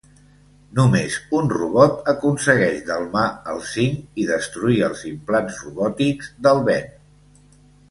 Només un robot aconsegueix delmar els Cinc i destruir els implants robòtics del Ben.